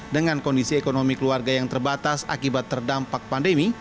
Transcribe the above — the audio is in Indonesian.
dengan kondisi ekonomi keluarga yang terbatas akibat terdampak pandemi